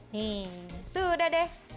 nih sudah deh